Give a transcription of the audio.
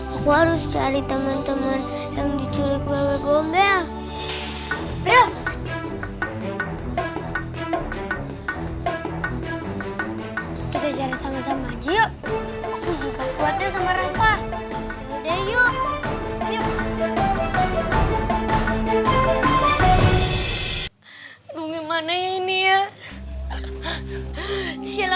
aku harus cari teman teman yang diculik bebek bumbel